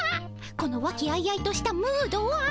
この和気あいあいとしたムードは。